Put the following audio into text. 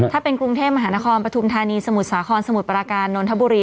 ถ้าเป็นกรุงเทพมหานครปฐุมธานีสมุทรสาครสมุทรปราการนนทบุรี